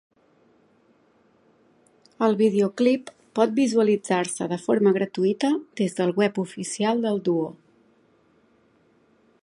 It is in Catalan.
El videoclip pot visualitzar-se de forma gratuïta des del web oficial del duo.